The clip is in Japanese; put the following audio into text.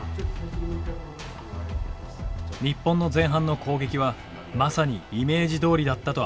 日本の前半の攻撃はまさにイメージどおりだったと明かした。